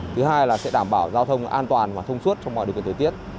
thứ hai là sẽ đảm bảo giao thông an toàn và thông suốt trong mọi địa quyền thời tiết